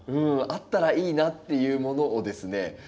あったらいいなっていうものをですね